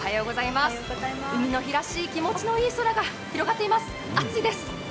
海の日らしい気持ちのいい空が広がっています、暑いです。